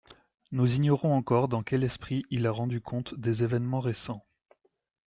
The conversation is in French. Nous ignorons encore dans quel esprit il a rendu compte des événements récents.